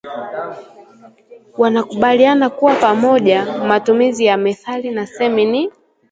wanakubaliana kwa pamoja kuwa matumizi ya methali na semi ni